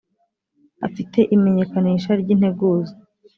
afite imenyekanisha ry ‘integuza